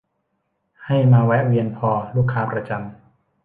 ให้มาแวะเวียนพอ ลูกค้าประจำ